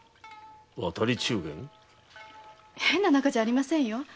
変な仲じゃありませんよ。